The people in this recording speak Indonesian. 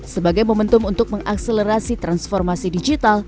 sebagai momentum untuk mengakselerasi transformasi digital